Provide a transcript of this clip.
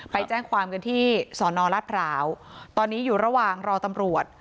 ไปแจ้งความกันที่สอนอรัฐพร้าวตอนนี้อยู่ระหว่างรอตำรวจ